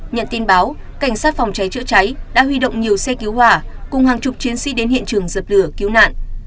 nhận tin báo cảnh sát phòng cháy chữa cháy đã huy động nhiều xe cứu hỏa cùng hàng chục chiến sĩ đến hiện trường dập lửa cứu nạn